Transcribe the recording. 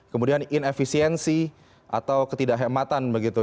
kemudian inefisiensi atau ketidakhematan begitu